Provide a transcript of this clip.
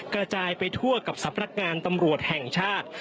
กระจายไปทั่วกับสำนักงานตำรวจแห่งชาติ